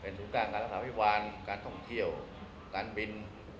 เป็นการสงสารการอสัพยิบาลการท่องเที่ยวการบิน